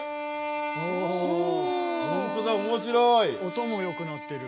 音も良くなってる。